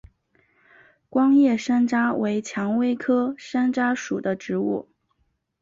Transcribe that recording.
光叶山楂为蔷薇科山楂属的植物。